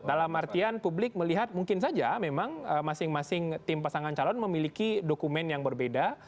dalam artian publik melihat mungkin saja memang masing masing tim pasangan calon memiliki dokumen yang berbeda